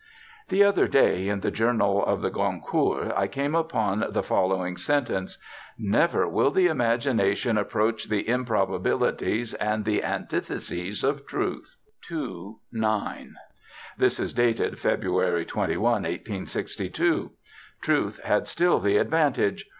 The other day, in the journal of the Goncourts, I came upon the following sentence: "Never will the imagination approach the improbabilities and the antitheses of truth" (II, 9). This is dated February 21, 1862. Truth had still the advantage.